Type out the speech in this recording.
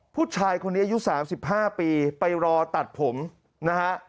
พูดชายคนเนี้ยอายุสามสิบห้าปีไปรอตัดผมนะคะ